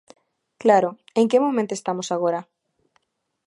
Claro, ¿en que momento estamos agora?